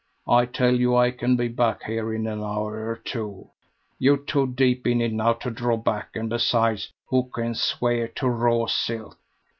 I tell you I can be back here in an hour or two. You're too deep in now to draw back; and besides, who can swear to raw silk?